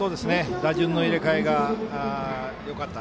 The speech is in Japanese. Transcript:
打順の入れ替えがよかった。